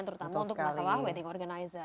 terutama untuk mas awal wedding organizer